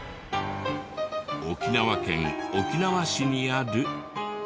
沖縄県沖縄市にある。